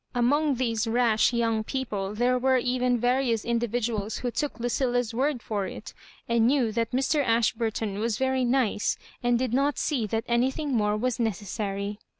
Among these rash young people there were even various individu als who took Lucilla's word for it, and knew that Mr. Ashburton was very nice; and did not see that anything more was necessarjr.